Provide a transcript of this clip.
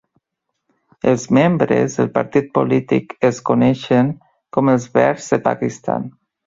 Els membres del partit polític es coneixen com "els verds de Pakistan".